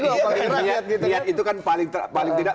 niat itu kan paling tidak